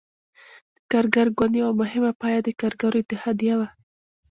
د کارګر ګوند یوه مهمه پایه د کارګرو اتحادیه وه.